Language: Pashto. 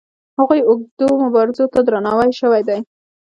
هغو اوږدو مبارزو ته درناوی شوی دی.